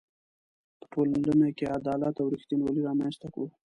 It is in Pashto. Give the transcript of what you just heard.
په ټولنه کې عدالت او ریښتینولي رامنځ ته کړو.